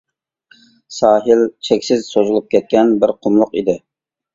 ساھىل چەكسىز سوزۇلۇپ كەتكەن بىر قۇملۇق ئىدى.